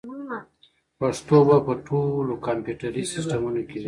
پښتو به په ټولو کمپیوټري سیسټمونو کې وي.